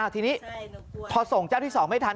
ทีนี้พอส่งเจ้าที่๒ไม่ทัน